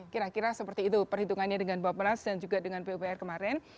kira kira seperti itu perhitungannya dengan bapak penas dan juga dengan pupr kemarin